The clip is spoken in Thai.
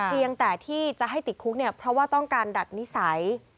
เพียงแต่ที่จะให้ติดคุกเนี่ยเพราะว่าต้องการดัดนิสัย